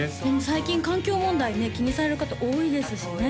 最近環境問題ね気にされる方多いですしね